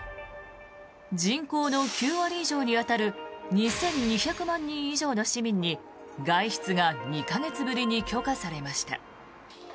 人口の９割以上に当たる２２００万人以上の市民に外出が２か月ぶりに許可されました。